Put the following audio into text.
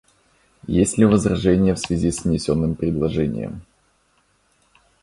Есть ли возражения в связи с внесенным предложением?